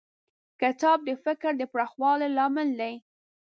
کتاب د فکر د پراخوالي لامل دی.